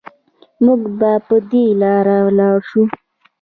مونږ به په دې لارې لاړ شو